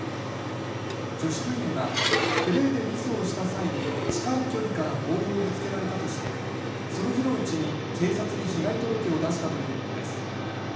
女子部員はプレーでミスをした際に近い距離からボールをぶつけられたとしてその日のうちに警察に被害届を出したということです。